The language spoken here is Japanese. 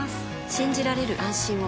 信じられる、安心を。